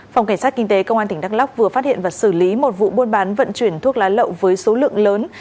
phòng cảnh sát kinh tế công an tỉnh đắk lóc vừa phát hiện và xử lý một vụ buôn bán vận chuyển thuốc lá lậu với số lượng lớn